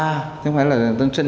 chứ không phải là tên sinh